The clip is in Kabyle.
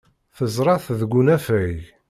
Teẓra-t deg unafag.